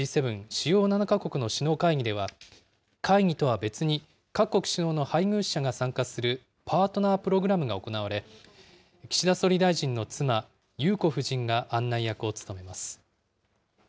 ・主要７か国の首脳会議では、会議とは別に各国首脳の配偶者が参加するパートナープログラムが行われ、岸田総理大臣の妻、裕子夫人が案内役を務めます。